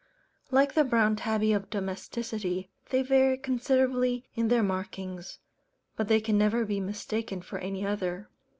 Like the brown Tabby of domesticity, they vary considerably in their markings; but they can never be mistaken for any other.